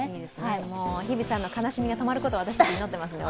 日比さんの悲しみが止まることを私たち祈っております。